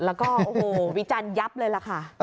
แล้วก็โอ้โหวิจารณ์ยับเลยล่ะค่ะ